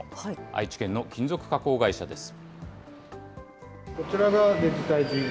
愛知県の金属加工会社です。